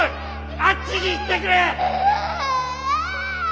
あっちに行ってくれ！